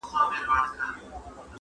د هوا له لاري صحنه ثبتېږي او نړۍ ته ځي,